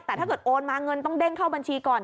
แต่ถ้าเกิดโอนมาเงินต้องเด้งเข้าบัญชีก่อน